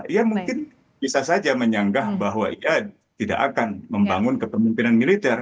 ia mungkin bisa saja menyanggah bahwa ia tidak akan membangun kepemimpinan militer